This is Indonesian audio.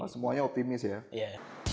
semuanya optimis ya